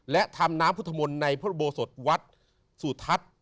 และทำน้ำพุธมนต์ในพฤโบสถวัตรสูตรทัศน์